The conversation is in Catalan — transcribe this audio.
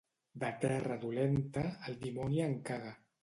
De terra dolenta, el dimoni en caga.